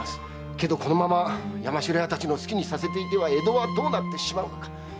けどこのまま山城屋たちの好きにさせていては江戸はどうなってしまうか。